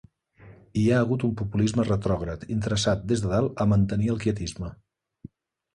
Hi ha hagut un populisme retrògrad, interessat des de dalt, a mantenir el quietisme.